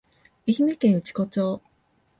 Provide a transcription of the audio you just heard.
愛媛県内子町